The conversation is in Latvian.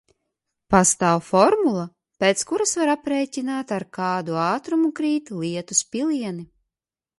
Pastāv formula, pēc kuras var aprēķināt, ar kādu ātrumu krīt lietus pilieni.